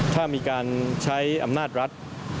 ถ้ามีการใช้อำนาจรัฐ